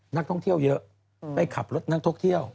นักท่องเที่ยวเยอะไปขับรถนักท่องเที่ยว